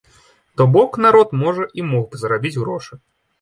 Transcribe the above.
То бок, народ, можа, і мог бы зарабіць грошы.